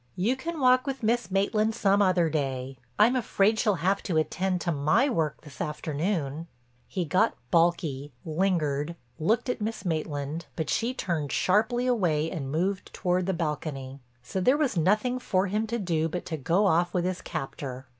You can walk with Miss Maitland some other day. I'm afraid she'll have to attend to my work this afternoon." He got balky, lingered, looked at Miss Maitland, but she turned sharply away and moved toward the balcony. So there was nothing for him to do but to go off with his captor.